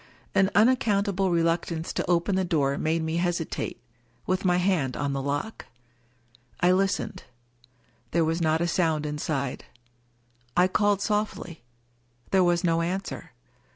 An unaccountable reluctance to open the door made me hesitate, with my hand on the lock. I listened. There was not a sound in side. I called softly. There was no answer.